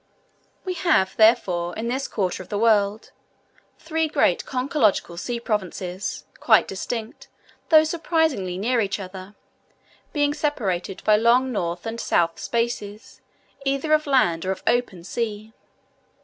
We have, therefore, in this quarter of the world, three great conchological sea provinces, quite distinct, though surprisingly near each other, being separated by long north and south spaces either of land or of open sea.